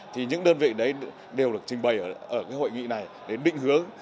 thì những đơn vị đấy đều được trình bày ở hội nghị này để định hướng